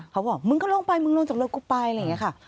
เขาบอกมึงก็ลงไปมึงลงจากรถกูไปอะไรอย่างนี้ค่ะ